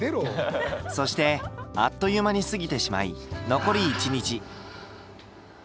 そしてあっという間に過ぎてしまい残り１日。